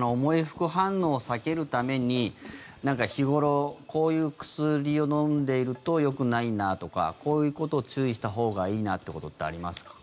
重い副反応を避けるために日頃、こういう薬を飲んでるとよくないなとかこういうことを注意したほうがいいなということってありますか？